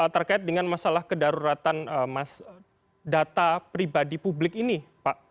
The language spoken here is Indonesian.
terkait dengan masalah kedaruratan data pribadi publik ini pak